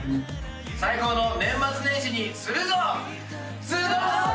最高の年末年始にするぞ。